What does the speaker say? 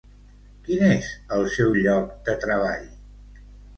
Quin és el seu lloc de treball?